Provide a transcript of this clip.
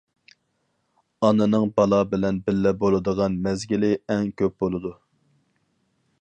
ئانىنىڭ بالا بىلەن بىللە بولىدىغان مەزگىلى ئەڭ كۆپ بولىدۇ.